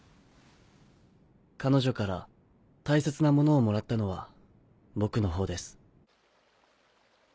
彼女から大切なものをもらったのは僕のほうです。